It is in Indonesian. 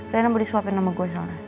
rena boleh suapin sama gue soalnya